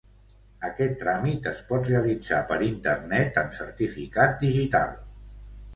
Aquest tràmit es pot realitzar per internet amb certificat digital.